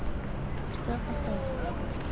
Псы къысэт!